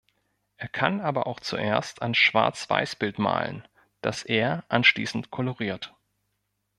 Er kann aber auch zuerst ein Schwarzweißbild malen, das er anschließend koloriert.